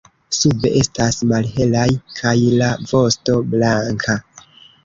Sube estas malhelaj kaj la vosto blanka.